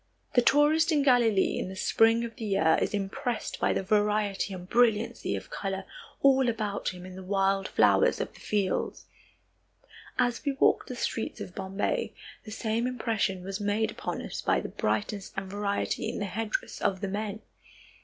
The tourist in Galilee in the spring of the year is impressed by the variety and brilliancy of color all about him in the wild flowers of the fields. As we walked the streets of Bombay, the same impression was made upon us by the brightness and variety in the headdress of the men.